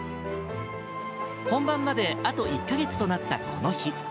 本番まであと１か月となったこの日。